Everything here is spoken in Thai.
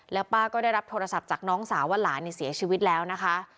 แล้วป้าก็ได้รับโทรศัพท์จากน้องสาวว่าหลานเสียชีวิตแล้วนะคะ